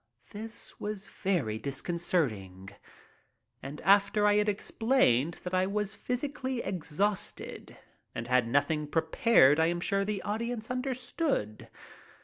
This was very discon certing, and after I had explained that I was physically exhausted and had nothing prepared I am sure the audience understood.